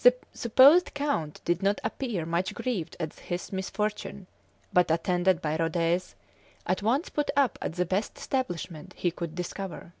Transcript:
The supposed count did not appear much grieved at his misfortune, but, attended by Rhodez, at once put up at the best establishment he could discover.